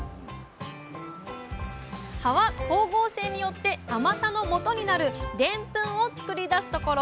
葉は光合成によって甘さのもとになるでんぷんを作り出すところ。